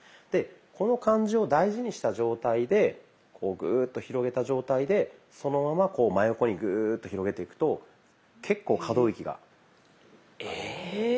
でこの感じを大事にした状態でこうグーッと広げた状態でそのまま真横にグーッと広げていくと結構可動域が。え！